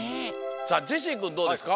さあジェシーくんどうですか？